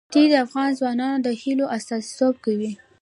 ښتې د افغان ځوانانو د هیلو استازیتوب کوي.